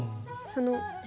その。